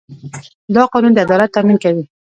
دا قانون د عدالت تامین کوي.